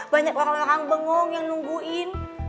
banyak orang orang bengong yang nungguin